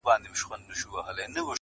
خوږ دی مرگی چا ويل د ژوند ورور نه دی؟